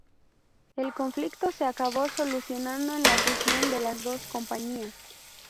El conflicto se acabó solucionando con la fusión de las dos compañías.